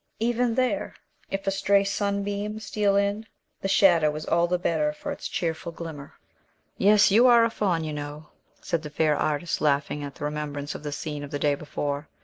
Even there, if a stray sunbeam steal in, the shadow is all the better for its cheerful glimmer." "Yes; you are a Faun, you know," said the fair artist, laughing at the remembrance of the scene of the day before.